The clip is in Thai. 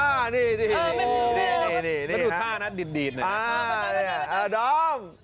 อะนะคะดอง